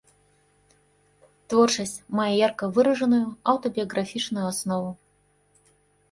Творчасць мае ярка выражаную аўтабіяграфічную аснову.